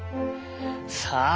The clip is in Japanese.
さあ